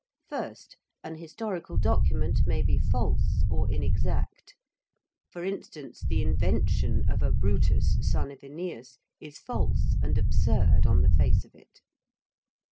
First, an historical document may be false, or inexact; for instance, the invention of a Brutus, son of Æneas, is false and absurd on the face of it.